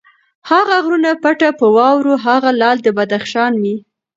هغه غرونه پټ په واورو، هغه لعل د بدخشان مي